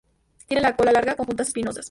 Tiene la cola larga, con puntas espinosas.